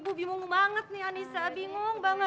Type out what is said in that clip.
hah kenapa sih bu